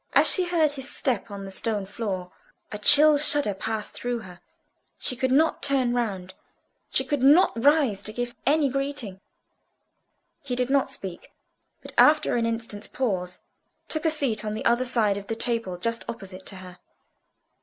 As she heard his step on the stone floor, a chill shudder passed through her; she could not turn round, she could not rise to give any greeting. He did not speak, but after an instant's pause took a seat on the other side of the table just opposite to her.